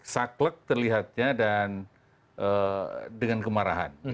saklek terlihatnya dan dengan kemarahan